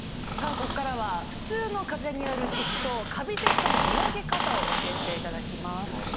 ここからは普通のかぜによる咳とカビ咳との見分け方を教えて頂きます。